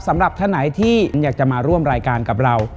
สำหรับท่านไหนที่อยากจะมาร่วมรายการกับเรา